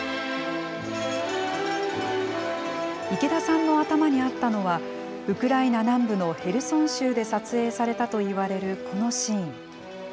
池田さんの頭にあったのは、ウクライナ南部のヘルソン州で撮影されたといわれるこのシーン。